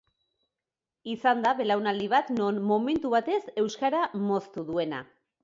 Izan da belaunaldi bat non, momentu batez, euskara moztu duena.